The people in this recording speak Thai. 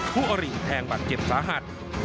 คู่อริแทงบัตรเจ็บสาหัส